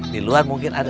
di luar mungkin ada